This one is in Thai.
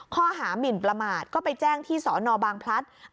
ข้อหามินประมาทก็ไปแจ้งที่สนบางพลัทธิ์